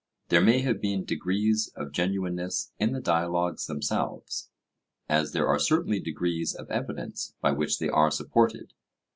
There may have been degrees of genuineness in the dialogues themselves, as there are certainly degrees of evidence by which they are supported.